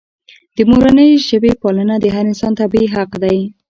د مورنۍ ژبې پالنه د هر انسان طبیعي حق دی.